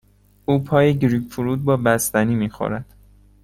او پای گریپ فروت با بستنی می خورد.